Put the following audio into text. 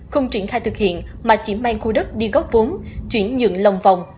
không triển khai thực hiện mà chỉ mang khu đất đi góp vốn chuyển nhượng lòng vòng